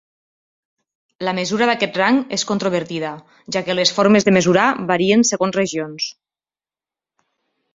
La mesura d'aquest rang és controvertida, ja que les formes de mesurar varien segons regions.